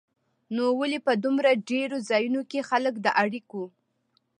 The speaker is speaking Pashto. نو ولې په دومره ډېرو ځایونو کې خلک د اړیکو